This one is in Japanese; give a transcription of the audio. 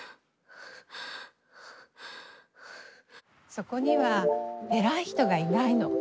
そこには偉い人がいないの。